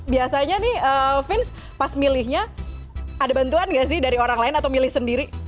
biasanya nih vince pas milihnya ada bantuan gak sih dari orang lain atau milih sendiri